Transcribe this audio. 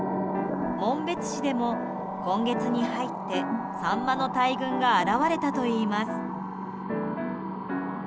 北海道雄武町や紋別市でも今月に入ってサンマの大群が現れたといいます。